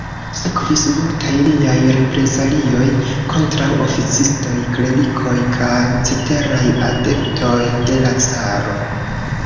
Sekvis multaj liaj reprezalioj kontraŭ oficistoj, klerikoj kaj ceteraj adeptoj de la caro.